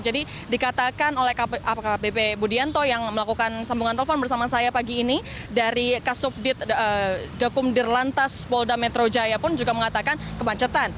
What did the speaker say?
jadi dikatakan oleh kpb budianto yang melakukan sambungan telpon bersama saya pagi ini dari kasubdik dekum dirlantas polda metro jaya pun juga mengatakan